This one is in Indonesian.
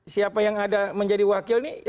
siapa yang ada menjadi wakil nih